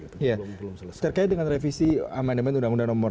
terkait dengan revisi amandemen undang undang nomor lima belas dua ribu tiga